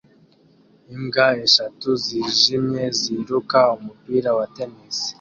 Imbwa eshatu zijimye ziruka umupira wa tennis